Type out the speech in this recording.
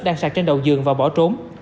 đang sạc trên đầu giường và bỏ trốn